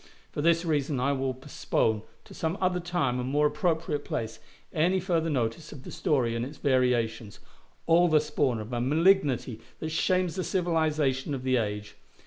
For this reason I will postpone, to some other time and more appropriate place, any further notice of the story and its variations, all the spawn of a malignity that shames the civilization of the age.